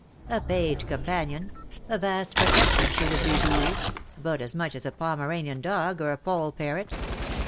" A paid companion — a vast protection she would be to you — about as much as a Pomeranian dog, or a poll parrot."